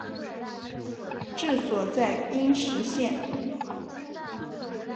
治所在阴石县。